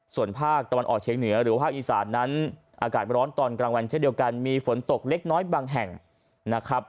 ส่วนภาคตะวันออกเชียงเหนือหรือภาคอีสานนั้นอากาศร้อนตอนกลางวันเช่นเดียวกันมีฝนตกเล็กน้อยบางแห่งนะครับ